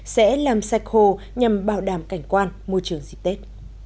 sẽ làm sạch hồ nhằm bảo đảm cảnh quan môi trường dịp tết